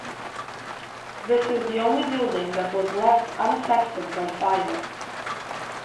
This is the only building that was left unaffected by fire.